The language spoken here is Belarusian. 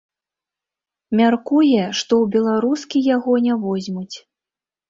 Мяркуе, што ў беларускі яго не возьмуць.